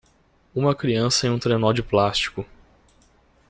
Uma criança em um trenó de plástico.